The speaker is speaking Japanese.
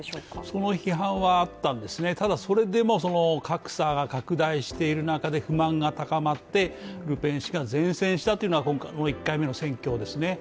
その批判はあったんですね、ただそれで格差が拡大している中で不満が高まって、ルペン氏が善戦したというのが１回目の選挙ですね。